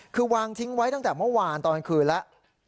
คือวางทิ้งไว้ตั้งแต่เมื่อวานตอนกลางคืนแล้ว